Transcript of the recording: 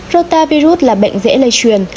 rotavirus là bệnh dễ lây truyền